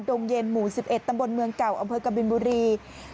งเย็นหมู่๑๑ตำบลเมืองเก่าอำเภอกบินบุรี